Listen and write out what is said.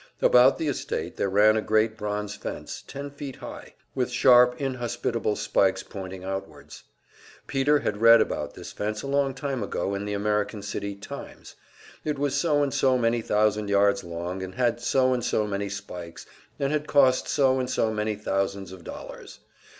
About the estate there ran a great bronze fence, ten feet high, with sharp, inhospitable spikes pointing outwards. Peter had read about this fence a long time ago in the American City "Times"; it was so and so many thousand yards long, and had so and so many spikes, and had cost so and so many tens of thousands of dollars.